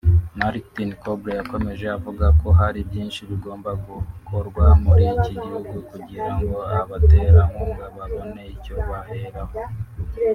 Martin Kobler yakomeje avuga ko hari byinshi bigomba gukorwa muri iki gihugu kugira ngo abaterankunga babone icyo baheraho